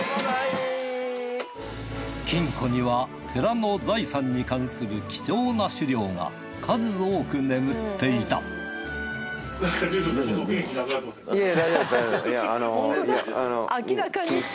金庫には寺の財産に関する貴重な史料が数多く眠っていたいや大丈夫です。